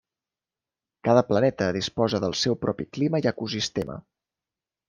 Cada planeta disposa del seu propi clima i ecosistema.